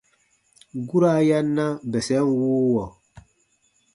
Guraa ya na bɛsɛn wuuwɔ.